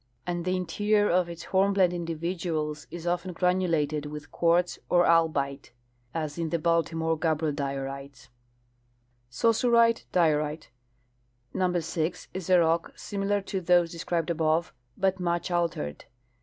67 and the interior of its hornblende individuals is often granulated with quartz or albite, as in the Baltimore gabbro diorites/'^' Saussurite diorite. — Number 6 is a rock similar to those de scribed abo i e, ]3ut much altered.